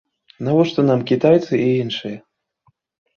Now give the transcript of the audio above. Навошта нам кітайцы і іншыя?